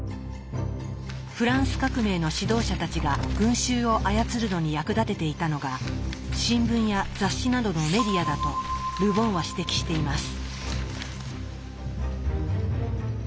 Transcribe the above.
フランス革命の指導者たちが群衆を操るのに役立てていたのが新聞や雑誌などのメディアだとル・ボンは指摘しています。